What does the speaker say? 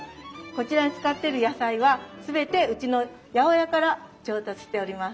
こちらに使ってる野菜は全てうちの八百屋から調達しております。